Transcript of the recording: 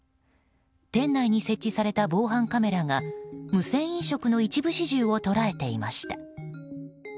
店内に設置された防犯カメラが無銭飲食の一部始終を捉えていました。